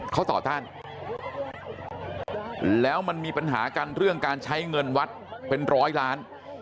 เขาต่อต้านแล้วมันมีปัญหากันเรื่องการใช้เงินวัดเป็นร้อยล้าน